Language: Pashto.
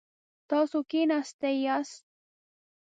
تاسو کښیناستی یاست؟